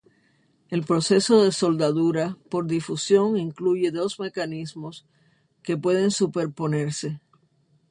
El proceso de soldadura por difusión incluye dos mecanismos que pueden superponerse.